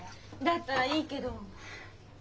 だったらいいけど。